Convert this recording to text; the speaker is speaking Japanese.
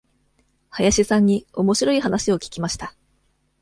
林さんにおもしろい話を聞きました。